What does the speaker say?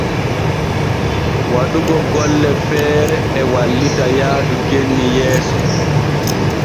Waɗugo golle feere e wallita yaadu genni yeeso.